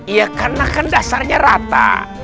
iya karena kan dasarnya rata